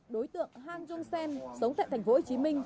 đối tượng hang jung sen sống tại tp hcm